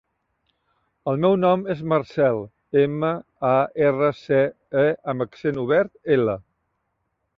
El meu nom és Marcèl: ema, a, erra, ce, e amb accent obert, ela.